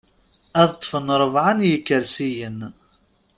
Ad ṭṭfen rebɛa n yikersiyen.